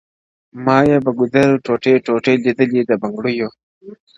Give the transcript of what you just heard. ما یې پر ګودر ټوټې لیدلي د بنګړیو-